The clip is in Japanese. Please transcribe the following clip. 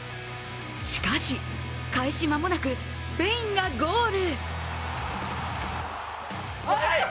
しかし、開始間もなく、スペインがゴール。